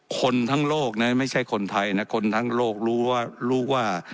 คนทั้งโลกนะไม่ใช่คนไทยนะคนทั้งโลกรู้ว่ารู้ว่า